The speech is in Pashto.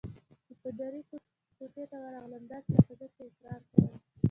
د پادري کوټې ته ورغلم، داسې لکه زه چې اقرار کوم.